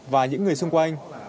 và những người xung quanh